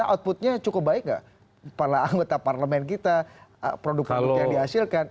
outputnya cukup baik nggak para anggota parlemen kita produk produk yang dihasilkan